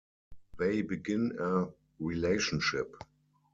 They begin a relationship.